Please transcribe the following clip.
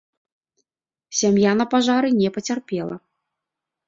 Сям'я на пажары не пацярпела.